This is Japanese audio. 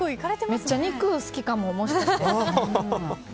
めっちゃ肉好きかももしかして。